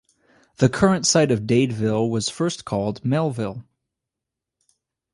The current site of Dadeville was first called Melville.